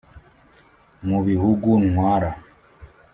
Mu bihugu ntwara;